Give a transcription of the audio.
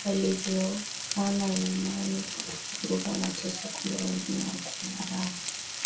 walivyokana imani kwa kuogopa mateso Kumbe wengine hawakuona raha